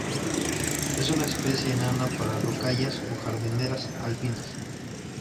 Es una especie enana para rocallas o jardineras alpinas.